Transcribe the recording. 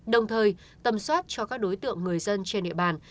đồng thời tầm soát cho các đối tượng người dân trên địa bàn